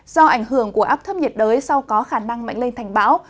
do ảnh hưởng của áp thấp nhiệt đới sau có khả năng mạnh lên thành bão